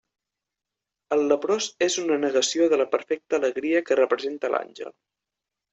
El leprós és una negació de la perfecta alegria que representa l'àngel.